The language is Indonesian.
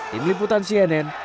di meliputan cnn